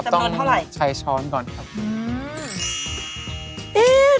ต้องใช้ช้อนก่อนครับจำนวนเท่าไหร่